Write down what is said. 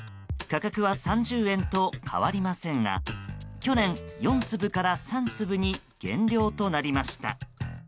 価格は３０円と変わりませんが去年、４粒から３粒に減量となりました。